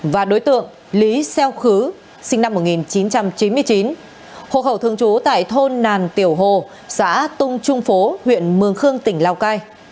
và đối tượng lý xeo khứ sinh năm một nghìn chín trăm chín mươi chín hộ khẩu thường trú tại thôn nàn tiểu hồ xã tung trung phố huyện mường khương tỉnh lào cai